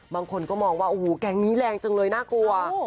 บางคนก็มองว่าโอ้โหแก๊งนี้แรงจังเลยน่ากลัว